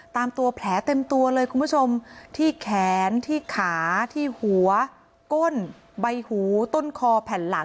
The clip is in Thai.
ตามตัวแผลเต็มตัวเลยคุณผู้ชมที่แขนที่ขาที่หัวก้นใบหูต้นคอแผ่นหลัง